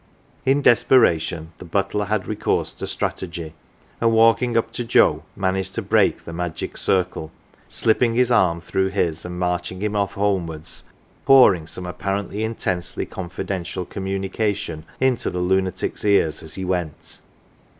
In desperation the butler had recourse to strategy, and walking up to Joe managed to break the magic circle, slipping his arm through his and marching him off homewards, pouring some apparently intensely confi dential communication into the lunatic's ears as he went.